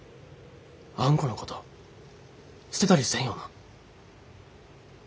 あんこのこと捨てたりせんよな？